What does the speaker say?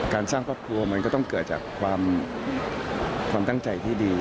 สร้างครอบครัวมันก็ต้องเกิดจากความตั้งใจที่ดี